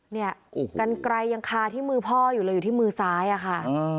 เนี่ยกันไกลยังคาที่มือพ่ออยู่เลยอยู่ที่มือซ้ายอะค่ะ